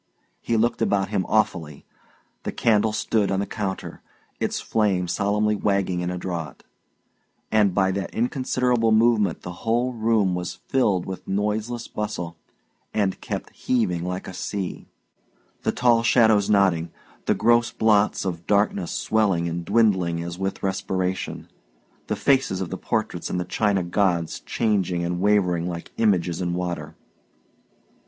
He looked about him awfully. The candle stood on the counter, its flame solemnly wagging in a draught; and by that inconsiderable movement the whole room was filled with noiseless bustle and kept heaving like a sea: the tall shadows nodding, the gross blots of darkness swelling and dwindling as with respiration, the faces of the portraits and the china gods changing and wavering like images in water.